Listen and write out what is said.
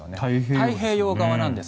太平洋側なんです。